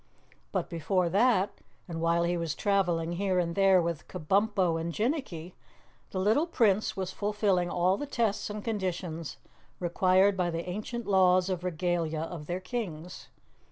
But before that, and while he was traveling here and there with Kabumpo and Jinnicky, the little Prince was fulfilling all the tests and conditions required by the ancient laws of Regalia of their Kings.